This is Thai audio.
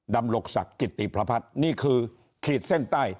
ดำรกศักดิ์กิติพระพัฒน์นี่คือขีดเส้นใต้